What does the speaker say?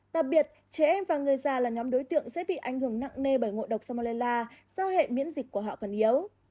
đặc biệt trẻ em và người già là nhóm đối tượng sẽ bị ảnh hưởng nặng nề bởi ngộ độc smolella do hệ miễn dịch của họ còn yếu